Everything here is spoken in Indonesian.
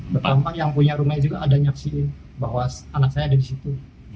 depan pak yang punya rumah juga ada nyaksiin bahwa anak saya ada di situ